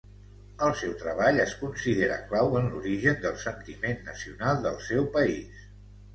El seu treball es considera clau en l'origen del sentiment nacional del seu país.